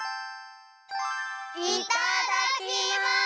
いただきます！